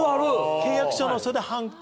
契約書のそれでハンコ。